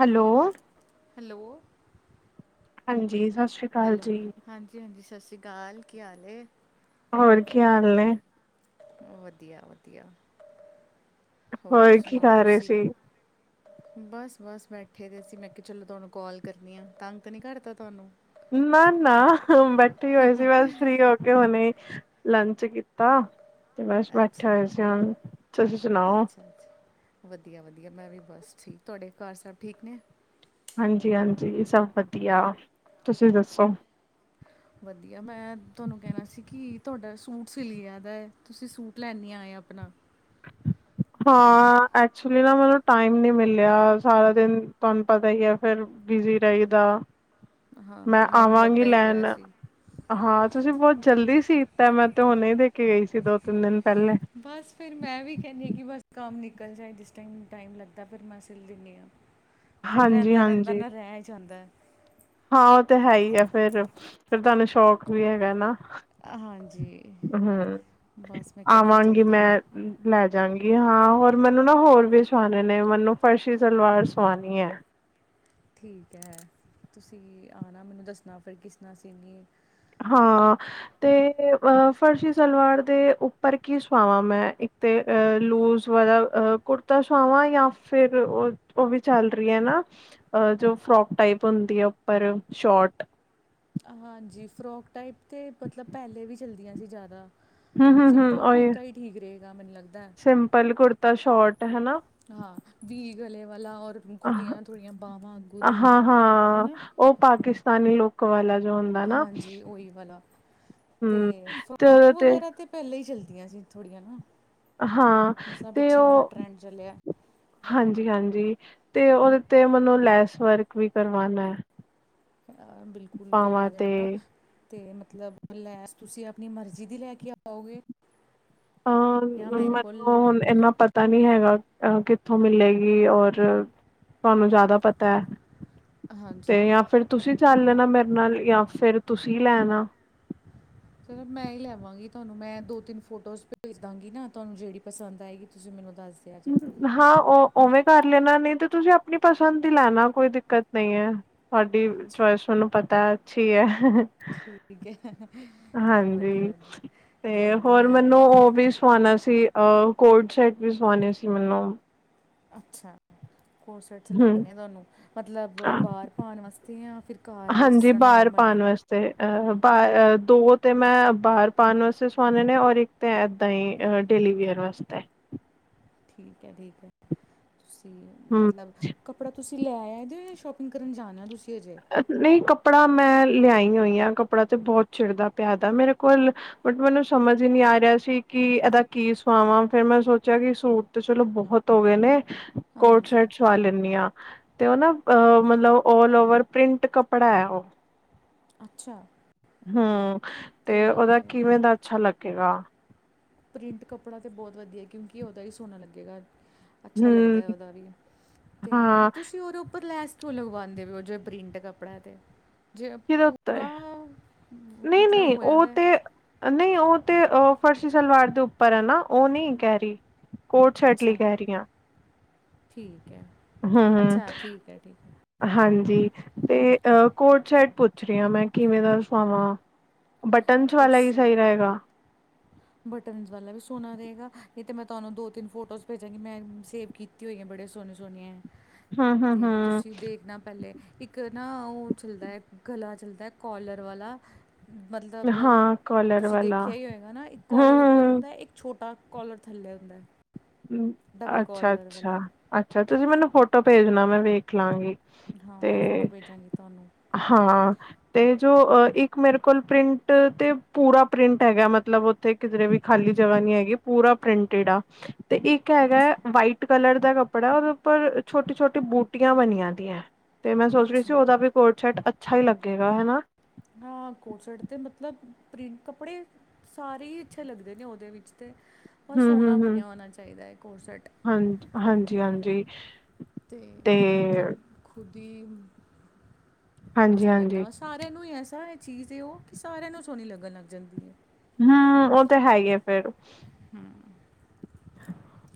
Hello. Hello. ਹਾਂਜੀ, ਸਤਿ ਸ਼੍ਰੀ ਅਕਾਲ। ਹੈਲੋ, ਜੀ ਹਾਂਜੀ -ਹਾਂਜੀ ਸਤਿ ਸ਼੍ਰੀ ਅਕਾਲ! ਕੀ ਹਾਲ ਏ? ਹੋਰ ਕੀ ਹਾਲ ਨੇ? ਵਧੀਆ -ਵਧੀਆ ਹੋਰ ਕੀ ਸੁਣਾਓ ਕਰ ਰਹੇ ਤੁਸੀਂ? ਸੀ ਬਸ -ਬਸ ਬੈਠੇ ਦੇ ਸੀਂ, ਮੈਂ ਕਿਹਾ ਚਲੋ ਤੁਹਾਨੂੰ ਕੋਲ ਕਰਨੀ ਆ, ਤੰਗ ਤਾਂ ਨਹੀਂ ਕਰਦਾ ਤੁਹਾਨੂੰ। ਨਾ- ਨਾ ਬੈਠੀ ਹੋਈ ਸੀ ਬਸ ਫ੍ਰੀ ਹੋ ਕੇ ਹੁਨੇ, ਲੰਚ ਕੀਤਾ। ਤੇ ਬਸ ਬੈਠੇ ਅੱਛਾ ਹੋਏ ਸੀ ਹੁਣ, ਤੁਸੀ ਸੁਣਾਓ? ਅੱਛਾ ਅੱਛਾ ਵਧੀਆ- ਵਧੀਆ ਮੈਂ ਵੀ ਬਸ ਠੀਕ ਤੁਹਾਡੇ ਘਰ ਸਭ ਠੀਕ ਨੇ? ਹਾਂਜੀ- ਹਾਂਜੀ ਸਭ ਵਧੀਆ! ਤੁਸੀਂ ਦੱਸੋ? ਵਧੀਆ, ਮੈਂ ਤੁਹਾਨੂੰ ਕਹਿਣਾ ਸੀ ਕਿ ਤੁਹਾਡਾ ਸੂਟ ਸਿਲੀਆਂ ਦਾ ਹੈ, ਤੁਸੀਂ ਸੂਟ ਲੈਂਣ ਨਹੀਂ ਆਏ ਆਪਣਾ। ਹਾਂ ਐਕਚੁਲੀ ਨਾ ਮੈਨੂੰ ਟਾਈਮ ਨੀ ਮਿਲਿਆ, ਸਾਰਾ ਦਿਨ ਤੁਹਾਨੂੰ ਈ ਐ ਫਿਰ। ਬਿਜੀ ਰਹੀਦਾ, ਹਾਂ ਮੈਂ ਹਾਂ ਮੈਨੂੰ ਆਵਾਂਗੀ ਲੱਗਦਾ ਹੀ ਪਿਆ ਲੈਣ। ਸੀ ਹਾਂ ਤੁਸੀਂ ਬਹੁਤ ਜਲਦੀ ਸੀ ਤਾ, ਮੈਂ ਤੇ ਹੁਣੇ ਹੀ ਦੇ ਕੇ ਗਈ ਸੀ ਦੋ ਤਿੰਨ ਦਿਨ ਪਹਿਲੇ। ਬਸ ਫਿਰ ਮੈਂ ਵੀ ਕਹਿੰਦੀ ਹਾਂ, ਕਿ ਬਸ ਕੰਮ ਨਿਕਲ ਜਾਏ, ਜਿਸ ਟਾਈਮ -ਟਾਈਮ ਲੱਗਦਾ ਫਿਰ ਮੈਂ ਸਿਲ ਦਿੰਦੀ ਹਾਂ। ਫਿਰ ਹਾਂਜੀ ਰਹਿੰਦਾ -ਰਹਿੰਦਾ ਹਾਂਜੀ ਨਾ ਰਹਿ ਜਾਂਦਾ। ਹਾਂ ਉਹ ਤੇ ਹੈ ਹੀ ਆ ਫੇਰ -ਫਿਰ ਤੁਹਾਨੂੰ ਸ਼ੌਕ ਵੀ ਹੈਗਾ ਨਾ। ਹਾਂਜੀ, ਹਮ ਬਸ ਮੈਂ ਕਿਆ ਫਿਰ ਆਵਾਂਗੀ ਮੈਂ ਜਲਦੀ ਲੈ ਜਾਗੀ ਹਾਂ, ਹੋਰ ਮੈਨੂੰ ਨਾ ਹੋਰ ਵੀ ਸੁਵਾਣੇ ਨੇ, ਮੈਨੂੰ ਫਰਸ਼ੀ ਸਲਵਾਰ ਸਵਾਣੀ ਹੈ। ਠੀਕ ਹੈ, ਤੁਸੀਂ ਆਉਣਾ ਮੈਨੂੰ ਦੱਸਣਾ ਫਿਰ ਕਿਸ ਤਰ੍ਹਾਂ ਸੀਂਨੀ ਹਾਂ, ਤੇ ਅਹ ਫਰਸ਼ੀ ਸਲਵਾਰ ਦੇ ਉੱਪਰ ਕੀ ਸੁਵਾਵਾਂ ਮੈਂ। ਇੱਕ ਤੇ ਅ ਲੂਜ ਵਾਲਾ ਕੁੜਤਾ ਸੁਆਵਾਂ ਜਾਂ ਫਿਰ ਉਹ -ਉਹ ਵੀ ਚੱਲ ਰਹੀ ਹੈ ਨਾ। ਜੋ ਫਰੋਕ ਟਾਈਪ ਹੁੰਦੀ ਹੈ ਉੱਪਰ ਸ਼ੋਟ ਹਾਂਜੀ, ਫਰੋਕ ਟਾਈਪ ਤਾਂ ਮਤਲਬ ਪਹਿਲੇ ਵੀ ਚੱਲਦੀਆਂ ਸੀ ਜ਼ਿਆਦਾ। ਹਮ ਹਮ ਹਮ ਸਿੰਪਲ ਉਹੀ ਕੁੜਤਾ ਹੀ ਠੀਕ ਰਹੇਗਾ ਮੈਨੂੰ ਲੱਗਦਾ। ਸਿੰਪਲ ਕੁੜਤਾ ਸ਼ੋਟ ਹਨਾ। ਹਾਂ ਵੀ, ਗਲੇ ਵਾਲਾ ਔਰ ਖੁੱਲੀਆਂ ਥੋੜੀਆਂ ਬਾਹਾਂ ਅੱਗੋਂ ਦੀ ਹਾਂ ਹਾਂ ਹਨਾ। ਉਹ ਪਾਕਿਸਤਾਨੀ ਲੌਕ ਵਾਲਾ। ਜੋ ਹੁੰਦਾ ਨਾ ਹਾਂਜੀ ਉਹੀ ਵਾਲਾ ਹਮ ਤੇ, ਤੇ ਉਹਦੇ ਫਰੋਕ ਵਗੈਰਾ ਤੇ ਪਹਿਲਾਂ ਹੀ, ਚੱਲਦੀਆਂ ਸੀ ਥੋੜੀਆਂ ਨਾ। ਹਾਂ ਜਿਸ ਤਰ੍ਹਾਂ ਤੇ ਪਿੱਛੇ ਬੜਾ ਉਹ ਟਰੈਂਡ ਚੱਲਿਆ ਹਾਂਜੀ-ਹਾਂਜੀ ਤੇ, ਉਹਦੇ ਤੇ ਮੈਨੂੰ ਲੈਸ ਵਰਕ ਵੀ ਕਰਵਾਉਣਾ। ਬਿਲਕੁਲ ਪਾਵਾਂ ਕਰਵਾ ਤੇ ਦੇਣਾ। ਅਤੇ ਮਤਲਬ ਲੈਸ ਤੁਸੀਂ ਆਪਣੀ ਮਰਜ਼ੀ ਦੀ ਲੈ, ਕੇ ਆਓਗੇ। ਜਾਂ ਅ ਮੇਰੇ ਕੋਲ ਮੈਨੂੰ ਹੁਣ ਇੰਨਾ ਪਤਾ ਨੀ ਹੈਗਾ। ਕਿੱਥੋਂ ਮਿਲੇਗੀ ਔਰ ਤੁਹਾਨੂੰ ਜ਼ਿਆਦਾ ਪਤਾ, ਹੈ ਹਾਂਜੀ ਤੇ ਜਾਂ ਫਿਰ ਤੁਸੀਂ ਚੱਲ ਲੈਣਾ ਮੇਰੇ ਨਾਲ, ਜਾਂ ਫੇਰ ਤੁਸੀਂ ਲੈ ਆਣਾ। ਚਲੋ ਮੈਂ ਹੀ ਲੈਂ ਆਵਾਂਗੀ, ਤੁਹਾਨੂੰ ਮੈਂ ਦੋ-ਤਿੰਨ ਫੋਟੋਜ਼ ਭੇਜ ਦਾਂਗੀ ਨਾ ਤੁਹਾਨੂੰ ਜਿਹੜੀ ਪਸੰਦ ਆਏਗੀ। ਤੁਸੀਂ ਮੈਨੂੰ ਦੱਸ ਦਿਆ ਜੇ। ਹਾਂ ਉ ਉਵੇਂ ਕਰ ਲੈਣਾ, ਨਹੀਂ ਤੇ ਤੁਸੀਂ ਆਪਣੀ ਪਸੰਦ ਹੀ ਲੈਣਾ ਕੋਈ ਦਿੱਕਤ ਨਹੀਂ ਹੈ। ਤੁਹਾਡੀ ਅੱਛਾ ਚੋਇਸ ਮੈਨੂੰ ਪਤਾ ਅੱਛੀ ਹੈ। ਠੀਕ ਆ, ਹਾਂਜੀ, ਵਧੀਆ ਜੀ ਤੇ ਕੋਈ ਨਹੀਂ ਹੋਰ ਮੈਂ ਮੈਨੂੰ ਉਹ ਵੀ ਸਵਾਣਾ ਸੀ, ਅ ਕੋਟ ਸੈਟ ਵੀ ਸਵਾਣੇ ਸੀ ਮੈਨੂੰ। ਅੱਛਾ, ਕੋਟ-ਸੈਟ ਹੂੰ ਸਿਲਵਾਨੇ ਆ ਤੁਹਾਨੂੰ, ਮਤਲਬ ਬਾਰ ਪਾਨ ਵਾਸਤੇ ਯਾ ਫਿਰ ਘਰ ਈ ਜਿਸ ਤਰ੍ਹਾਂ ਨੋਰਮਲ ਵਨ। 'ਤੇ ਅਹ ਬਾਰ ਅਹ ਦੋ ਤੇ ਮੈਂ, ਬਾਰ ਪਾਨ ਵਾਸਤੇ ਸਵਾਨੇ ਨੇ ਔਰ ਇੱਕ 'ਤੇ ਐਦਾਂ ਈ ਡੇਲੀ ਵਿਅਰ ਵਾਸਤੇ। ਠੀਕ ਐ, ਠੀਕ ਐ। ਤੁਸੀ, ਹੂੰ ਮਤਲਬ ਕੱਪੜਾ ਤੁਸੀਂ ਲੈ ਆਇਆ ਜੇ, ਸ਼ੋਪਿੰਗ ਕਰਨ ਜਾਨੈ ਤੁਸੀਂ ਅਜੇ? ਨਈਂ, ਕੱਪੜਾ ਮੈਂ ਲਿਆਈ ਔਈ ਆ। ਕੱਪੜਾ 'ਤੇ ਬੋਤ ਚਿੜਦਾ ਪੇਆ ਦੈ ਮੇਰੇ ਕੋਲ। ਬਟ ਮੈਨੂੰ ਸਮਝ ਈ ਨੀ ਆ ਰੇਆ ਸੀ, ਕਿ ਏਦਾ ਕੀ ਸੁਆਵਾਂ। ਫੇਰ ਮੈਂ ਸੋਚਿਆ ਕਿ ਸੂਟ! 'ਤੇ ਚਲੋ ਬੋਤ ਹੋ ਗਏ ਨੇ। ਹਾਂਜੀ ਕੋਟ-ਸ਼ਰਟ ਛਵਾ ਲੈਂਨੀ ਆ, 'ਤੇ ਉਹ ਨਾ ਅਹ ਮਤਲਬ ਔਲ ਓਵਰ। ਪ੍ਰਿੰਟ ਕੱਪੜਾ ਹੈ ਉਹ। ਅੱਛਾ। ਹੂ, 'ਤੇ ਓਦਾ ਕਿਵੇਂ ਦਾ ਅੱਛਾ ਲੱਗੇਗਾ? ਪ੍ਰਿੰਟ ਕੱਪੜਾ 'ਤੇ ਬੋਤ ਵਦੀਐ, ਕਿਉਂਕਿ ਓਦਾ ਵੀ ਸੋਨਾ ਲੱਗੇਗਾ। ਅੱਛਾ ਹਮ ਲੱਗਦੈ ਉਦਾ ਵੀ, 'ਤੇ ਹਾਂ ਤੁਸੀਂ ਓਦੇ ਉੱਪਰ ਲੈਸ ਕਿਉਂ ਲਗਵਾਂਦੇ ਪੇ ਓ, ਜੇ ਪ੍ਰਿੰਟ ਕਪੜਾ ਐ 'ਤੇ। ਜੇ ਕਿਹਦੇ ਉੱਤੇ ਪੂਰਾ ਐ, ਮਤਲਬ ਹੋਇਆ ਦੈ। ਨਈ, ਉਹ 'ਤੇ ਅਹ ਫਰਸ਼ੀ ਸਲਵਾਰ ਦੇ ਉੱਪਰ ਹੈ ਨਾ, ਓਹ ਨੀ ਕੈਅ ਰੀ। ਕੋਟ-ਸ਼ਰਟ ਲਈ ਅੱਛਾ ਕੈਅ ਰੀ ਆ। ਠੀਕ ਐ। ਹੂੰ-ਹੂੰ। ਹਾਂਜੀ, 'ਤੇ ਕੋਟ-ਸ਼ਰਟ ਪੁੱਛ ਰੀ ਆ ਮੈਂ, ਕਿਵੇਂ ਦਾ ਸੁਆਵਾਂ? ਬਟਨਸ ਵਾਲਾ ਈ ਕੋਰਸ ਸਹੀ ਰਏਗਾ। ਬਟਨਸ ਵਾਲਾ ਵੀ ਸੋਨਾ ਰੇੲਗਾ। ਨਈ ਤਾਂ ਮੈਂ ਤੁਹਾਨੂੰ ਦੋ-ਤਿੰਨ ਫੋਟੋਜ਼ ਭੇਜਾਂਗੀ, ਮੈਂ ਸੇਵ ਕੀਤੀ ਕੀਤੀ ਹੋਈਆਂ ਬੜੇ ਸੋਹਨੇ-ਸੋਹਨੇ, ਹੂੰ ਹੂੰ 'ਤੇ ਹੂੰ ਤੁਸੀਂ ਦੇਖਨਾ ਪੈਲੇ, ਇੱਕ ਇਕ ਨਾ ਉਹ ਚੱਲਦੈ, ਗਲਾ ਚੱਲਦੈ ਕੋਲਰ ਵਾਲਾ। ਮਤਲਬ, ਹਾਂ ਕੋਲਰ ਤੁਸੀਂ ਵਾਲਾ ਦੇਖਿਆ ਈ ਹੋਏਗਾ ਨਾ, ਇੱਕ ਹੂੰ ਕੋਲਰ ਉੱਪਰ ਹੂੰ ਹੁੰਦੈ। ਇੱਕ ਛੋਟਾ ਕੋਲਰ ਥੱਲੇ ਹੁੰਦੈ। ਅੱਛਾ-ਅੱਛਾ-ਅੱਛਾ, ਤੁਸੀਂ ਮੈਨੂੰ ਫੋਟੋ ਭੇਜਨਾ, ਮੈਂ ਵੇਖ ਲਾਂਗੀ। ਹਾਂ, ਤੇ ਮੈਂ ਫੋਟੋ ਭੇਜਾਂਗੀ ਤੁਹਾਨੂੰ। ਹਾਂ। 'ਤੇ ਜੋ ਅ ਇੱਕ ਮੇਰੇ ਕੋਲ ਪ੍ਰਿੰਟ 'ਤੇ ਪੂਰਾ ਪ੍ਰਿੰਟ ਹੈਗੈ, ਮਤਲਬ ਉਥੇ ਕਿਧਰੇ ਵੀ ਖਾਲੀ ਜਗ੍ਹਾ ਨੀ ਹੈਗੀ, ਪੂਰਾ ਪ੍ਰਿੰਟਡ ਆ, 'ਤੇ ਇੱਕ ਹੈਗਾ ਅੱਛਾ ਵਾਈਟ। ਕਲਰ ਦਾ ਕੱਪੜਾ, ਓਦੇ ਉੱਪਰ ਛੋਟੀ- ਛੋਟੀ ਬੂਟੀਆਂ ਬਨੀਆ ਦੀਐ। 'ਤੇ ਮੈਂ ਸੋਚ ਰੀ ਸੀ, ਅੱਛਾ ਓਦਾ ਵੀ ਕੋਟ-ਸ਼ਰਟ ਅੱਛਾ ਈ ਲੱਗੇਗਾ, ਹੈ ਨਾ? ਹਾਂ, ਕੋਟ-ਸੈਟ 'ਤੇ ਮਤਲਬ ਪ੍ਰਿੰਟ ਕੱਪੜੇ? ਸਾਰੇ ਈ ਅੱਛੇ ਲੱਗਦੇ ਨੇ ਉਦੇ ਵਿੱਚ 'ਤੇ, ਬਸ ਹੂੰ ਸੋਨਾ ਹੂੰ ਹੂੰ ਬਨਿਆ ਹੋਨਾ ਚਾਈਦੈ ਕੋਟ- ਸੈਟ। ਹਾਂਜੀ, ਹਾਂਜੀ-ਹਾਂਜੀ। 'ਤੇ ਮਤਲਬ, ਖੁਦ ਈ, ਹਾਂਜੀ ਅੱਛਾ ਹਾਂਜੀ ਲੱਗਦੈ ਅਸ। ਸਾਰਿਆਂ ਨੂੰ ਈ ਐਸਾ ਚੀਜ਼ ਐ ਓਹ, ਕਿ ਸਾਰਿਆਂ ਨੂੰ ਸੋਣੀ ਲੱਗਨ ਲੱਗ ਜਾਂਦੀ ਏ। ਨਾ, ਉਹ 'ਤੇ ਹੈ ਈ ਏ ਫੇਰ। ਹੂ।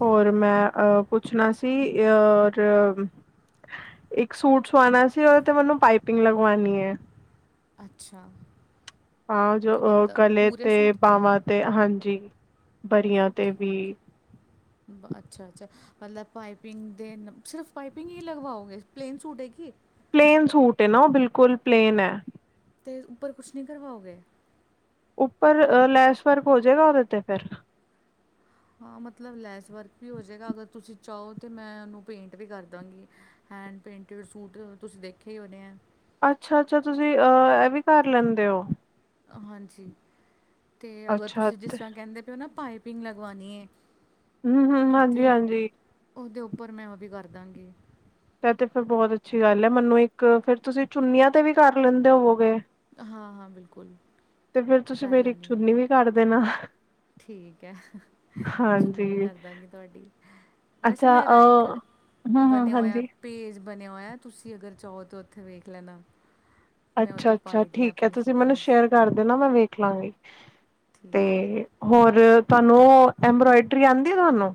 ਹੋਰ ਮੈਂ ਆ ਪੁੱਛਨਾ ਸੀ, ਔਰ ਇੱਕ ਸੂਟ ਸਵਾਨਾ ਸੀ, ਉਦੇ 'ਤੇ ਮੈਨੂੰ ਪਾਈਪਿੰਗ ਲਗਵਾਨੀ ਐ। ਅੱਛਾ। ਹਾਂ ਜੋ ਕਿ ਮਤਲਬ ਗਲੇ ਪੂਰੇ ਤੇ ਸੂਟ ਬਾਵਾਂ ਤੇ ਹਾਂਜੀ ਪਰੀਆਂ ਤੇ ਵੀ ਅੱਛਾ-ਅੱਛਾ ਮਤਲਬ ਪਾਈਪਿੰਗ ਦੇ ਸਿਰਫ ਪਾਈਪਿੰਗ ਹੀ ਲਗਵਾਓਗੇ ਪਲੇਨ ਸੂਟ ਏ ਕੀ ਪਲੇਨ ਸੂਟ ਐ ਓ ਬਿਲਕੁਲ ਪਲੇਨ ਐ। ਤੇ ਉੱਪਰ ਕੁਛ ਨਈ ਕਰਵਾਓਗੇ। ਉੱਪਰ ਲੈਸ ਵਰਕ ਹੋ ਜਾਏਗਾ ਉਦੇ ਤੇ ਫਿਰ ਹਾਂ ਮਤਲਬ ਲੈਸ ਵਰਕ ਵੀ ਹੋ ਜਾਵੇਗਾ ਅਗਰ ਤੁਸੀਂ ਚਾਹੋ ਤਾਂ ਮੈਂ ਉਨੂੰ ਪੇਂਟ ਵੀ ਕਰ ਦਾਂਗੀ। ਹੈਂਡ ਪੇਂਟਰ ਸੂਟ ਤੁਸੀਂ ਦੇਖੇ ਈ ਹੋਣੇ ਐ। ਅੱਛਾ-ਅੱਛਾ ਤੁਸੀ ਆ ਐ ਵੀ ਕਰ ਲੈਂਣੇ ਓ। ਹਾਂਜੀ ਤੇ ਅਗਰ ਅੱਛਾ ਤੁਸੀਂ ਜਿਸ ਤਰ੍ਹਾਂ ਕੈਂਦੇ ਪਏ ਓ ਨਾ ਪਾਈਪਿੰਗ ਲਗਵਾਂਣੀ ਏ। ਹੂੰ-ਹੂੰ ਹਾਂਜੀ-ਹਾਂਜੀ। ਉਦੇ ਉੱਪਰ ਮੈਂ ਓ ਵੀ ਕਰ ਦਾਂਗੀ। ਆ ਤੇ ਫਿਰ ਬੋਤ ਅੱਛੀ ਗੱਲ ਏ ਮੈਨੂੰ ਇੱਕ ਫੇਰ ਤੁਸੀਂ ਚੁੰਨੀਆਂ ਤੇ ਵੀ ਕਰ ਲੈਂਦੇ ਹੋਵੋਗੇ। ਹਾਂ ਹਾਂ ਬਿਲਕੁਲ ਤੇ ਫਿਰ ਤੁਸੀਂ ਕਰ ਮੇਰੀ ਇੱਕ ਲੈਂਦੀ ਹਾਂ ਚੁੰਨੀ ਵੀ ਕਰ ਦੇਣਾ। ਠੀਕ ਏ ਚੁੰਨੀ ਵੀ ਹਾਂਜੀ ਕਰਦਾਂਗੀ ਤੁਹਾਡੀ ਵੈਸੇ ਅੱਛਾ ਅ ਮੇਰਾ ਇੱਕ ਹਮ ਹਮ ਬਣਿਆ ਹੋਇਆ। ਹਾਂਜੀ ਪੇਜ ਬਣਿਆ ਹੋਇਆ ਤੁਸੀਂ ਅਗਰ ਚਾਹੋ ਤਾਂ ਉੱਥੇ ਵੇਖ ਲੈਣਾ। ਮੈਂ ਉੱਥੇ ਅੱਛਾ-ਅੱਛਾ ਪਾਈ ਦੀਆਂ ਠੀਕ ਐ ਆਪਣੀ ਤੁਸੀਂ ਮੈਨੂੰ ਫੋਟੋਜ਼ ਸ਼ੇਅਰ ਕਰਦੇ ਨਾ ਮੈਂ ਵੇਖ ਲਾਂਗੀ ਤੇ ਠੀਕ ਹੈ ਹੋਰ ਤਾਨੂੰ ਐਬ੍ਰੋਇਡਰੀ ਆਂਦੀ ਤਾਨੂੰ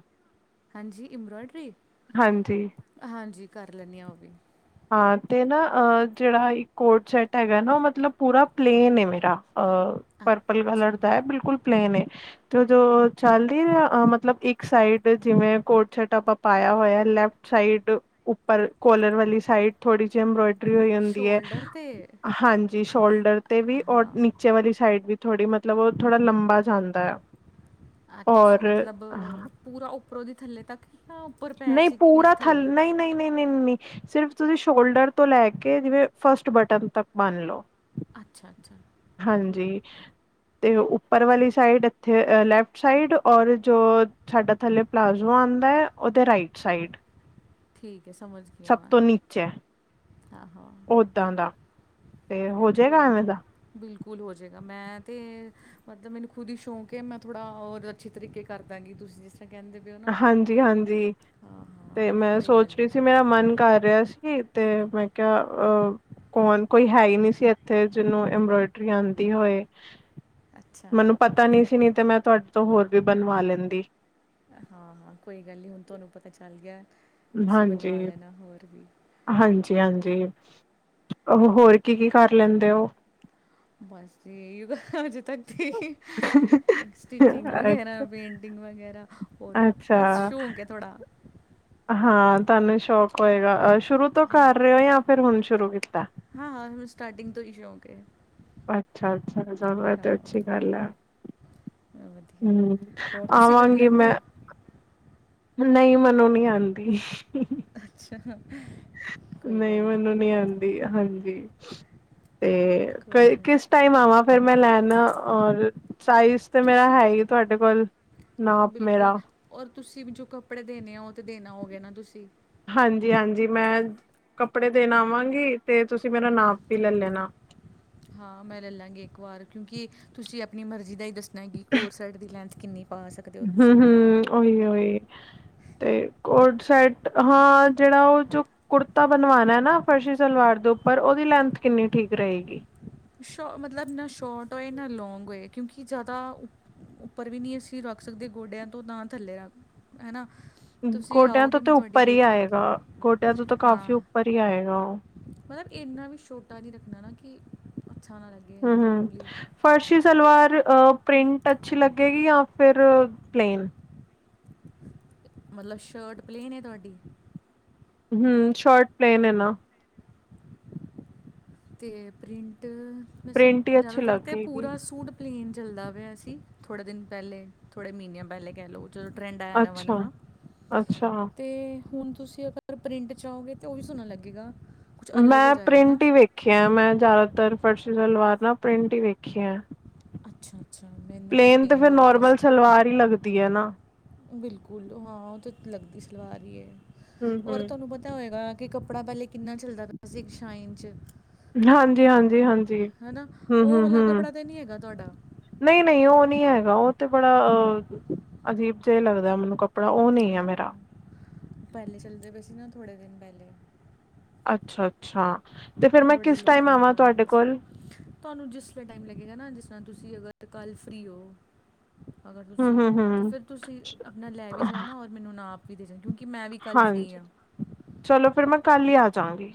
ਹਾਂਜੀ ਇੰਬਰੋਇਡਰੀ ਹਾਂਜੀ ਹਾਂਜੀ ਕਰ ਲੈਂਣੀ ਆਂ ਓ ਵੀ ਹਾਂ ਤੇ ਨਾ ਜੇੜਾ ਇਕ ਕੋਟ ਸੈਟ ਹੈਗਾ ਨਾ ਓ ਮਤਲਬ ਪੂਰਾ ਪਲੇਨ ਏ ਮੇਰਾ ਆ। ਪਰਪਲ ਅੱਛਾ ਕਲਰ ਦਾ ਏ ਬਿਲਕੁਲ ਪਲੇਨ ਏ। ਤੇ ਜੋ ਚੱਲ ਨੀ ਰਿਆ ਮਤਲਬ ਇੱਕ ਸਾਈਡ ਜਿਵੇਂ ਕੋਟ ਸੈਟ ਆਪਾਂ ਪਾਇਆ ਹੋਇਆ ਲੈਫਟ ਸਾਈਡ ਉੱਪਰ ਕੋਲਰ ਵਾਲੀ ਸਾਈਡ ਥੋੜੀ ਜਿਹੀ ਇੰਬਰੋਇਡ ਹੋ ਹੁੰਦੀ ਹੈ ਸ਼ੋਲਡਰ 'ਤੇ ਹਾਂਜੀ ਸ਼ੋਲਡਰ ਤੇ ਵੀ ਔਰ ਹਾਂ ਨੀਚੇ ਵਾਲੀ ਸਾਈਡ ਵੀ ਥੋੜ੍ਹੀ ਮਤਲਬ ਓ ਥੋੜ੍ਹਾ ਲੰਬਾ ਜਾਂਦਾ। ਅੱਛਾ ਔਰ ਮਤਲਬ ਪੂਰਾ ਉੱਪਰੋਂ ਦੀ ਥੱਲੇ ਤੱਕ ਜਾਂ ਉੱਪਰ ਪੈ ਨਈ 'ਚ ਕਿ ਪੂਰਾ ਥੱਲੇ ਈ ਨਈ। ਨਈ-ਨਈ-ਨਈ ਸਿਰਫ ਤੁਸੀਂ ਸ਼ੋਲਡਰ ਤੋਂ ਲੈ ਕੇ ਜਿਵੇਂ ਫਸਟ ਬਟਨ ਤੱਕ ਮੰਨ ਲਓ। ਅੱਛਾ-ਅੱਛਾ ਹਾਂਜੀ ਤੇ ਉੱਪਰ ਵਾਲੀ ਸਾਈਡ ਇੱਥੇ ਲੈਫਟ ਸਾਈਡ ਔਰ ਜੋ ਸਾਡਾ ਥੱਲੇ ਪਲਾਜ਼ੋ ਆਂਦਾ ਓਦੇ ਰਾਈਟ ਸਾਈਡ ਸਭ ਤੋਂ ਨੀਚੇ ਹਾਂ-ਹਾਂ। ਓਦਾਂ ਦਾ ਤੇ ਹੋ ਜਾਏਗਾ ਕੋਈ ਐਵੇਂ ਨਹੀਂ ਦਾ ਬਿਲਕੁਲ ਹੋ ਜਾਏਗਾ ਮੈਂ ਤੇ ਮਤਲਬ ਮੈਨੂੰ ਖੁਦ ਹੀ ਸ਼ੌਕ ਹੈ ਮੈਂ ਥੋੜਾ ਔਰ ਅੱਛੇ ਤਰੀਕੇ ਕਰਾਂਗੀ ਤੁਸੀਂ ਜਿਸ ਤਰ੍ਹਾਂ ਕੈਂਦੇ ਹਾਂਜੀ-ਹਾਂਜੀ ਹਾਂ ਤੇ ਮੈਂ ਕੋਈ ਗੱਲ ਸੋਚ ਰਈ ਸੀ। ਨਹੀਂ ਮੇਰਾ ਮਨ ਕਰ ਰਿਆ ਸੀ ਤੇ ਮੈਂ ਕਿਆ ਅ ਕੌਣ ਕੋਈ ਹੈ ਹੀ ਨਈ ਸੀ ਇੱਥੇ ਜਿਨੂੰ ਐੰਬਰੋਇਡਰੀ ਆਂਦੀ ਹੋਏ ਅੱਛਾ ਮੈਨੂੰ ਪਤਾ ਤਾ ਨੀ ਸੀ ਨ ਤੇ ਮੈਂ ਤੁਹਾਡੇ ਤੋਂ ਹੋਰ ਵੀ ਬਣਵਾ ਲੈਂਦੀ। ਹਾਂ-ਹਾਂ ਕੋਈ ਗੱਲ ਨਈ ਹੁਣ ਤੁਹਾਨੂੰ ਪਤਾ ਚੱਲ ਗਿਆ। ਤੁਸੀਂ ਹਾਂਜੀ ਬਣਵਾ ਲੈਣਾ ਹੋਰ ਵੀ ਹਾਂਜੀ ਹਾਂਜੀ ਓ ਹੋਰ ਕੀ ਕੀ ਕਰ ਲੈਂਦੇ ਓ? ਬਸ ਜੀ ਯੋਗਾ ਹਜੇ ਤੱਕ ਤੇ। ਇਕ ਸਟਿਚਿੰਗ ਵਗੈਰਾ, ਅੱਛਾ, ਪੇਂਟਿੰਗ ਵਗੈਰਾ ਹੋਰ ਅੱਛਾ ਬਸ ਸ਼ੌਂਕ ਐ ਥੋੜਾ। ਹਾਂ ਤੁਨੂੰ ਸ਼ੌਕ ਹੋਏਗਾ ਸ਼ੁਰੂ ਤੋਂ ਕਰ ਰੇ ਓ, ਜਾਂ ਫੇਰ ਹੁਣ ਸ਼ੁਰੂ ਕੀਤਾ। ਹਾਂ ਹਾਂ ਸਟਾਟਿੰਗ ਤੋਂ ਈ ਸ਼ੌਂਕ ਏ। ਅੱਛਾ ਅੱਛਾ ਚਲੋ ਐ ਤੇ ਅੱਛੀ ਗੱਲ ਐ। ਵਧੀਆ ਹੂੰ ਹੋਰ ਤੁਸੀਂ ਕਰ ਆਵਾਂਗੀ ਲੈਂਦੇ ਮੈਂ। ਹੋ ਨਈ ਮਨੂੰ ਨੀ ਆਂਦੀ। ਅੱਛਾ। ਕੋਈ ਨਈ ਗੱਲ ਨਹੀਂ ਮੈਨੂੰ ਨੀ ਆਂਦੀ, ਹਾਂਜੀ ਤੇ ਕੋਈ ਕਈ ਕਿਸ ਗੱਲ ਨਹੀਂ ਕਿਸ ਟਾਈਮ ਆਵਾਂ ਫੇਰ ਮੈਂ ਲੈਣ, ਔਰ ਸਾਈਜ਼ ਤੇ ਮੇਰਾ ਤੁਸੀਂ ਹੈ ਈ ਏ ਤੁਆਡੇ ਕੋਲ, ਨਾਪ ਬਿਲਕੁਲ ਮੇਰਾ। ਔਰ ਤੁਸੀਂ ਵੀ ਜੋ ਕੱਪੜੇ ਦੇਣੇ ਆ, ਓ ਤੇ ਦੇਣ ਆਓਗੇ ਨਾ ਤੁਸੀਂ। ਹਾਂਜੀ ਹਾਂਜੀ ਮੈਂ ਕੱਪੜੇ ਦੇਣ ਆਵਾਂਗੀ ਤੇ ਤੁਸੀਂ ਮੇਰਾ ਨਾਪ ਵੀ ਲਲ ਲੈਣਾ। ਹਾਂ ਮੈਂ ਲੈ ਲਾਂਗੀ ਇੱਕ ਵਾਰ ਕਿਉਂਕਿ ਤੁਸੀਂ ਆਪਣੀ ਮਰਜ਼ੀ ਦਾ ਈ ਦੱਸਣਾ ਕੀ, ਕੋਰਸੈਟ ਦੀ ਲੈਂਥ ਕਿੰਨੀ ਪਾਸ ਹੂੰ ਹੂੰ ਓਹੀ ਓਹੀ। ਤੇ ਕੋਟ ਸੈਟ ਹਾਂ ਜੇੜਾ ਓ ਜੋ ਕੁੜਤਾ ਬਣਵਾਣਾ ਨਾ ਫਰਸ਼ੀ ਸਲਵਾਰ ਦੇ ਉੱਪਰ ਓਦੀ ਲੈਂਥ ਕਿੰਨੀ ਠੀਕ ਰਏਗੀ। ਸ਼ੋ ਮਤਲਬ ਨਾ ਸ਼ੋਟ ਓਏ, ਨਾ ਲੌਂਗ ਓਏ ਕਿਉਂਕਿ ਜ਼ਾਦਾ ਉੱਪਰ ਵੀ ਨੀ ਅਸੀਂ ਰੱਖ ਸਕਦੇ ਗੋਡਿਆਂ ਤੋਂ, ਨਾ ਥੱਲੇ ਰੱਖ ਹਨਾ। ਗੋਡਿਆਂ ਤੋਂ ਤੇ ਉੱਪਰ ਈ ਆਏਗਾ, ਗੋਡਿਆਂ ਤੋਂ ਤਾਂ ਕਾਫ਼ੀ ਹਾਂ ਉੱਪਰ ਈ ਆਏਗਾ ਓ। ਮਤਲਬ ਏਨਾ ਵੀ ਛੋਟਾ ਨੀ ਰੱਖਣਾ ਨਾ ਕੀ ਅੱਛਾ ਨਾ ਲਗੇ। ਹੂੰ ਹੂੰ ਫਰਸ਼ੀ ਸਲਵਾਰ ਅ ਪ੍ਰਿੰਟ ਅੱਛੀ ਲੱਗੇਗੀ ਜਾਂ ਫੇਰ ਪਲੇਨ। ਮਲਬ ਸ਼ਰਟ ਪਲੇਨ ਏ ਤੁਆਡੀ। ਹੂੰ ਸ਼ਰਟ ਪਲੇਨ ਏ ਨਾ। ਤੇ ਪ੍ਰਿੰਟ ਵੈਸੇ ਪ੍ਰਿੰਟ ਹੀ ਅੱਛੀ ਜ਼ਾਦਾਤਰ ਤੇ ਲੱਗੇਗੀ ਪੂਰਾ ਸੂਟ ਪਲੇਨ ਚੱਲਦਾ ਪਿਆ ਸੀ ਥੋੜ੍ਹੇ ਦਿਨ ਪੈਲੇ, ਥੋੜੇ ਮੀਨਿਆਂ ਪੈਲੇ ਕੈ ਲੋ। ਜਦੋਂ ਟਰੈਂਡ ਆਇਆ ਨਵਾਂ ਨਵਾਂ, ਅੱਛਾ-ਅੱਛਾ ਤੇ। ਹੁਣ ਤੁਸੀਂ ਅਗਰ ਪ੍ਰਿੰਟ ਚਾਓਗੇ ਤੇ ਓ ਵੀ ਸੋਣਾ ਲੱਗੇਗਾ। ਕੁਝ ਅਲੱਗ ਹੋ ਮੈਂ ਜਾਏਗਾ ਨਾ ਪ੍ਰਿੰਟ ਈ ਵੇਖਿਆ, ਮੈਂ ਜ਼ਾਦਾਤਰ ਫਰਸ਼ੀ ਸਲਵਾਰ ਨਾ ਪ੍ਰਿੰਟ ਈ ਵੇਖੀਆਂ। ਅੱਛਾ ਅੱਛਾ ਮੈਨੂੰ ਪਲੇਨ ਫਿਰ ਦਾ ਪਤਾ ਨੋਰਮਲ ਸੀ। ਸਲਵਾਰ ਹੀ ਲੱਗਦੀ ਹੈ ਨਾ। ਬਿਲਕੁਲ ਹਾਂ ਓ ਤੇ ਲੱਗਦੀ ਸਲਵਾਰ ਈ ਏ, ਹੂੰ ਹੂੰ। ਔਰ ਤੁਆਨੂੰ ਪਤਾ ਹੋਏਗਾ ਕੀ ਕੱਪੜਾ ਪੈਲੇ ਕਿੰਨਾ ਚੱਲਦਾ ਪਪਿਆ ਸੀ ਸ਼ਾਈਨ 'ਚ। ਹਾਂਜੀ ਹਾਂਜੀ ਹਾਂਜ ਹਨਾ, ਓ ਵਲਾ ਕੱਪੜਾ ਤੇ ਨੀ ਹੈਗਾ ਤੁਆਡਾ। ਨਈ ਨ ਈ ਓ ਨੀ ਹੈਗਾ ਓ ਤੇ ਬੜਾ ਅ ਅਜੀਬ ਜਿਆ ਈ ਲੱਗਦਾ ਮੈਨੂੰ ਕਪ ਕੱਪੜਾ ਓ ਨੀ ਐ ਮੇਰਾ। ਪੈਲੇ ਚੱਲਦੇ ਪਏ ਸੀ ਨਾ ਥੋੜੇ ਦਿਨ ਪੈਲੇ। ਅੱਛਾ ਅੱਛਾ ਤੇ ਫੇਰ ਮੈਂ ਕਿਸ ਟਾਈਮ ਆਵਾਂ ਤੁਆਡੇ ਕੋਲ। ਤੁਆਨੂੰ ਜਿਸ ਲੇ ਟਾਈਮ ਲੱਗੇਗਾ ਨਾ, ਜਿਸਰਾਂ ਤੁਸੀਂ ਅਗਰ ਕੱਲ੍ਹ ਫ੍ਰੀ ਓਵ ਅਗਰ ਹੂੰ ਤੁਸੀਂ ਹੂੰ ਤਾਂ ਹੂੰ ਫੇਰ ਤੁਸੀਂ ਆਪਣਾ ਲੈ ਵੀ ਜਾਣਾ, ਔਰ ਮੈਨੂੰ ਨਾਪ ਵੀ ਦੇ ਜਾ ਕਿਉਂਕਿ ਮੈਂ ਵੀ ਕੱਲ੍ਹ ਫ੍ਰੀ ਹਾਂਜੀ ਆਂ। ਚਲੋ ਫਿਰ ਮੈਂ ਕੱਲ ਈ ਆ ਜਾਂਗੀ।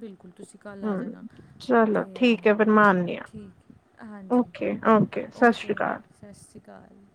ਬਿਲਕੁਲ ਤੁਸੀਂ ਕੱਲ੍ਹ ਆ ਜਾਣਾ ਤੇ ਚਲੋ ਠੀਕ ਹੈ ਫਿਰ ਮੈਂ ਆਨੀ ਹਾਂ ਠੀਕ ਹਾਂਜੀ ਓਕੇ ਓਕੇ ਸਤਿ ਸ਼੍ਰੀ ਓਕੇ ਅਕਾਲ। ਸਸ ਸ਼੍ਰੀ ਕਾਲ।